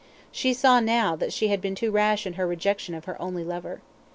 She saw now that she had been too rash in her rejection of her only lover.